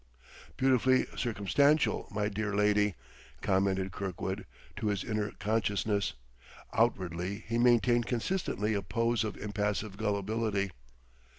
"Beautifully circumstantial, my dear lady," commented Kirkwood to his inner consciousness. Outwardly he maintained consistently a pose of impassive gullibility.